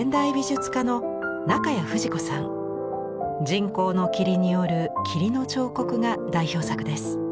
人工の霧による「霧の彫刻」が代表作です。